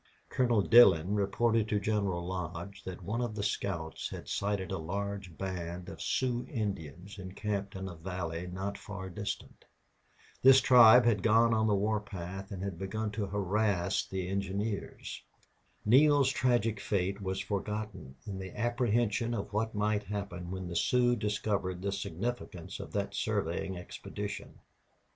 Colonel Dillon reported to General Lodge that one of the scouts had sighted a large band of Sioux Indians encamped in a valley not far distant. This tribe had gone on the war path and had begun to harass the engineers. Neale's tragic fate was forgotten in the apprehension of what might happen when the Sioux discovered the significance of that surveying expedition.